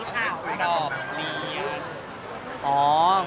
มันมีแบบคุณดอมหรือเรียน